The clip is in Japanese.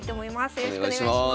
よろしくお願いします。